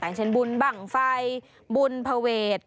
กันได้เช่นบุญบังไฟบุญเภเวฐ